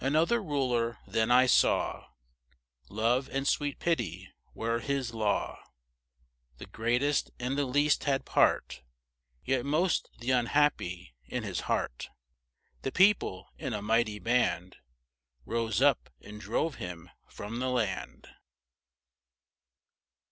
Another Ruler then I saw Love and sweet Pity were his law: The greatest and the least had part (Yet most the unhappy) in his heart The People, in a mighty band, Rose up, and drove him from the land!